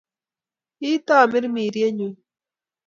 Hii tamirmiriet nyuun